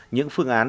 những phương án